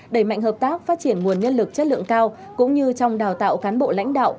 đẩy mạnh hợp tác phát triển nguồn nhân lực chất lượng cao cũng như trong đào tạo cán bộ lãnh đạo